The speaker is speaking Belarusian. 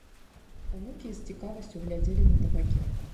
Унукі з цікавасцю глядзелі на табакерку.